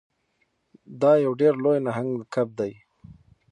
دا یو ډیر لوی نهنګ کب دی.